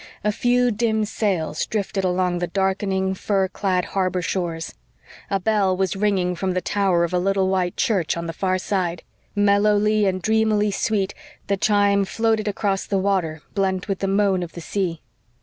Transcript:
A few dim sails drifted along the darkening, fir clad harbor shores. A bell was ringing from the tower of a little white church on the far side; mellowly and dreamily sweet, the chime floated across the water blent with the moan of the sea.